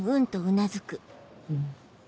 うん。